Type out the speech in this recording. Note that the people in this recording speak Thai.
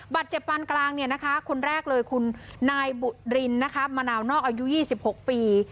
บัตรเจ็บปันกลางคนแรกคุณนายบุรินมะนาวนอกอายุ๒๖ปี